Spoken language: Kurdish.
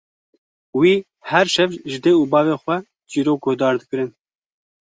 Wî her şev ji dê û bavê xwe çîrok guhdar dikirin.